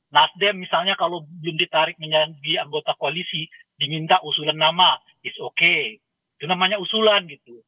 nasdem misalnya kalau bunda tarik menjadi anggota koalisi diminta usulan nama it s okay itu namanya usulan gitu